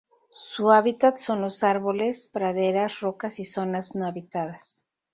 Su hábitat son los árboles, praderas, rocas y zonas no habitadas.